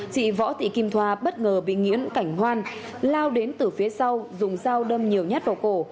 chị võ thị kim thoa bất ngờ bị nguyễn cảnh hoan lao đến từ phía sau dùng dao đâm nhiều nhát vào cổ